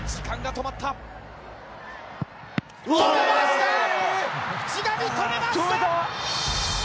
止めました！